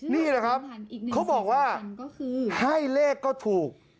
นี่แหละครับเขาบอกว่าให้เลขก็ถูก